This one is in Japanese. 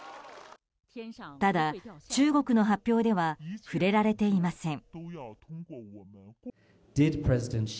ただ、中国の発表では触れられていません。